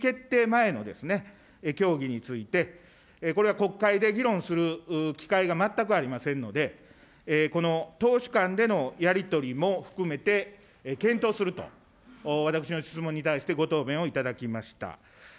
前の協議について、これは国会で議論する機会が全くありませんので、この党首間でのやり取りも含めて、検討すると、私の質問に対してご答弁をいただきました。